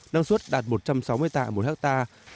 năng suất đạt một trăm sáu mươi tạ một hectare